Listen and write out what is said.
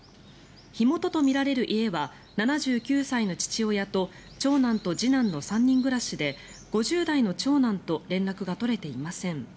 火元とみられる家は７９歳の父親と長男と次男の３人暮らしで５０代の長男と連絡が取れていません。